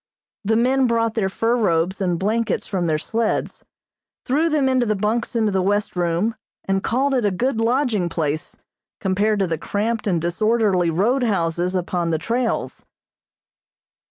The men brought their fur robes and blankets from their sleds, threw them into the bunks in the west room, and called it a good lodging place compared to the cramped and disorderly roadhouses upon the trails.